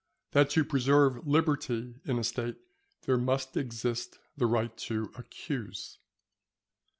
—_That to preserve Liberty in a State there must exist the Right to accuse.